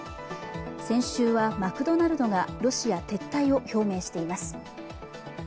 先週はマクドナルドがロシア撤退を表明しています。